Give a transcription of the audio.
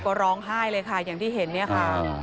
ก็ร้องไห้เลยค่ะอย่างที่เห็นเนี่ยค่ะ